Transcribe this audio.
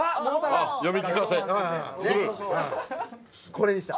これにした。